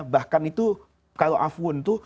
bahkan itu kalau afun itu